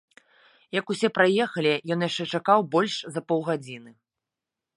Як усе праехалі, ён яшчэ чакаў больш за паўгадзіны.